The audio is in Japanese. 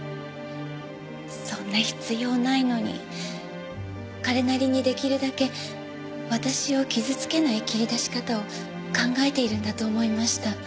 そんな必要ないのに彼なりに出来るだけ私を傷つけない切り出し方を考えているんだと思いました。